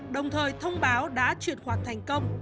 đồng thời thông báo đã chuyển khoản thành công